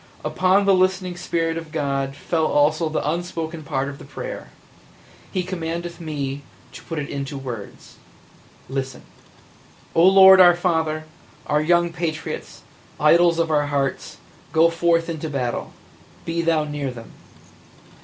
Upon the listening spirit of God fell also the unspoken part of the prayer. He commandeth me to put it into words. Listen! "O Lord our Father, our young patriots, idols of our hearts, go forth to battle – be Thou near them!